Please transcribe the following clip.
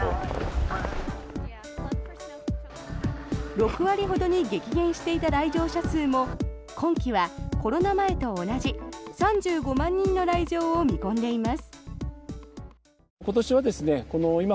６割ほどに激減していた来場者数も今季はコロナ前と同じ３５万人の来場を見込んでいます。